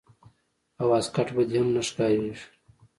او واسکټ به دې هم نه ښکارېږي.